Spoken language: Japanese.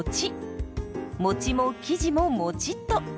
もちも生地ももちっと。